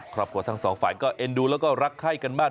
ครอบครัวทั้งสองฝ่ายก็เอ็นดูแล้วก็รักไข้กันมาก